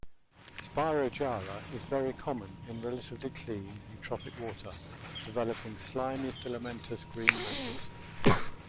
"Spirogyra" is very common in relatively clean eutrophic water, developing slimy filamentous green masses.